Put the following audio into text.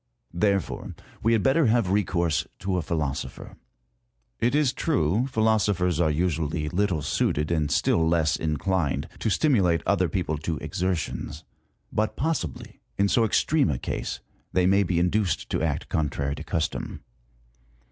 Therefore, we had better have recourse to a philosopher. It is true, philosophers are usually little suited, and still less inclined, to stimulate other people to exertions ; but possibly in so extreme a case, they may be induced to act contrary to custom.